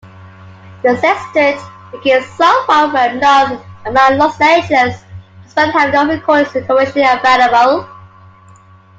The Sextet became somewhat well-known around Los Angeles, despite having no recordings commercially available.